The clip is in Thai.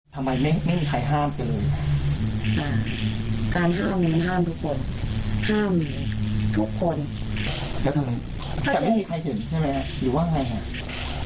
แต่ไม่มีใครเห็นใช่ไหมครับหรือว่าไงครับ